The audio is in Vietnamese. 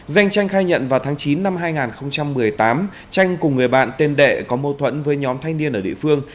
danh tranh khai nhận vào tháng chín năm hai nghìn một mươi tám tranh cùng người bạn tên đệ có mâu thuẫn với nhóm thanh niên ở địa phương